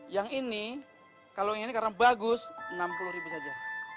yang ini kalau yang ini karena bagus rp enam puluh ribu saja